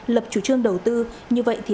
lập chủ trương đầu tư như vậy thì